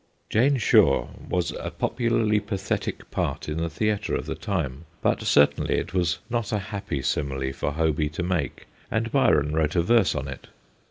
Jane Shore was a popularly pathetic part in the theatre of the time, but certainly it was not a happy simile for Hoby to make, and Byron wrote a verse on it.